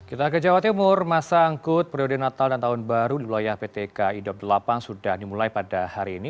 kita ke jawa timur masa angkut periode natal dan tahun baru di wilayah pt kai dua puluh delapan sudah dimulai pada hari ini